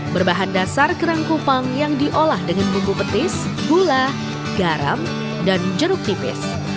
berbahan dasar kerang kupang yang diolah dengan bumbu petis gula garam dan jeruk tipis